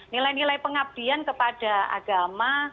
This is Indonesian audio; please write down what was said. nilai nilai pengabdian kepada agama